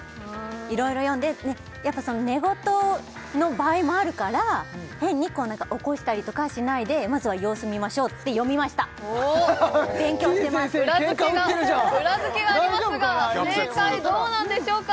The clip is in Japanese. いろいろ読んでやっぱ寝言の場合もあるから変に起こしたりとかしないでまずは様子見ましょうって読みました勉強してますてぃ先生にケンカ売ってるじゃん裏付けがありますが正解どうなんでしょうか？